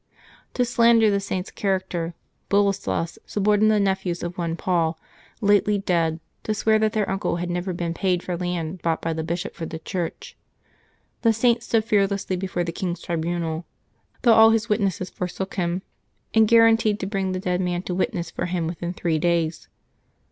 To slander the Saint's character, Boleslas suborned the nephews of one Paul, lately dead, to swear that their uncle had never been paid for land bought by the bishop for the Church. The Saint stood fearlessly before the king's tribunal, though all his witnesses forsook him, and guaranteed to bring the dead man to witness for him within three days.